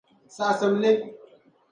Saɣisimi li.